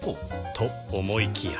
と思いきや